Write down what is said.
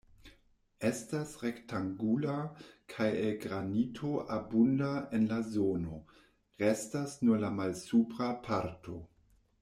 Estas rektangula kaj el granito abunda en la zono: restas nur la malsupra parto.